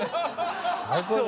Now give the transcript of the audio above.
最高だね